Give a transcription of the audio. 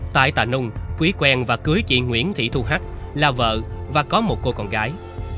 tại tà nung quý quen và cưới chị nguyễn thị thu hắt là vợ và có một cô con gái